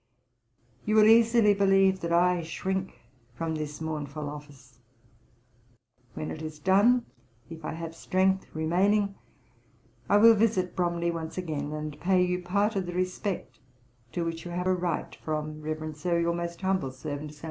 You will easily believe that I shrink from this mournful office. When it is done, if I have strength remaining, I will visit Bromley once again, and pay you part of the respect to which you have a right from, Reverend Sir, 'Your most humble servant, 'SAM.